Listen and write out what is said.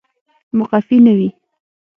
مقفي نه وي